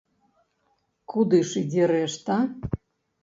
Куды ж ідзе рэшта?